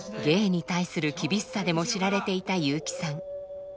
芸に対する厳しさでも知られていた雄輝さん。